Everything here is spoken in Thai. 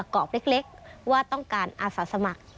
กรอบเล็กว่าต้องการอาสาสมัคร